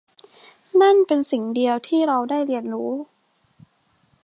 นั่นเป็นสิ่งเดียวที่เราได้เรียนรู้